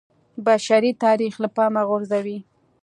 بشري تاریخ له پامه غورځوي